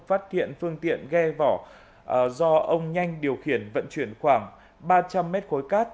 phát hiện phương tiện ghe vỏ do ông nhanh điều khiển vận chuyển khoảng ba trăm linh mét khối cát